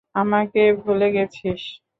আমাকে ভুলে গেছিস।